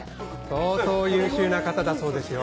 相当優秀な方だそうですよ。